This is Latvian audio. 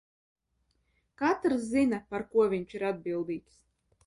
Katrs zina, par ko viņš ir atbildīgs.